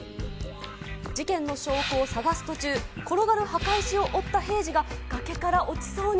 事件の証拠を探す途中、転がる墓石を追った平次が、崖から落ちそうに。